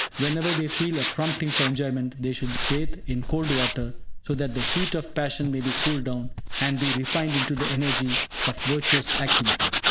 Whenever they feel a prompting for enjoyment, they should bathe in cold water, so that the heat of passion may be cooled down, and be refined into the energy of virtuous activity.